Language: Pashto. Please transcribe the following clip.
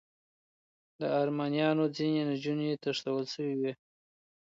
د ارمنیانو ځینې نجونې تښتول شوې وې.